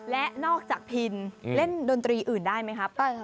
และนอกจากพินเล่นดนตรีอื่นได้ไหมครับ